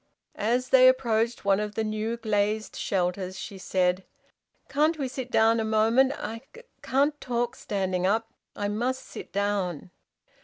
As they approached one of the new glazed shelters, she said "Can't we sit down a moment. I I can't talk standing up. I must sit down."